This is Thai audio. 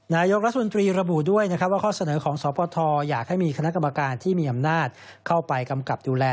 นายกรัฐมนตรีระบุด้วยนะครับว่าข้อเสนอของสปทอยากให้มีคณะกรรมการที่มีอำนาจเข้าไปกำกับดูแล